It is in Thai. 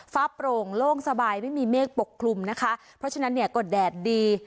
โปร่งโล่งสบายไม่มีเมฆปกคลุมนะคะเพราะฉะนั้นเนี่ยก็แดดดี